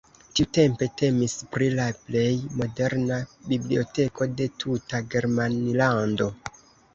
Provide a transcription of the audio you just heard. Tiutempe temis pri la plej moderna biblioteko de tuta Germanlando.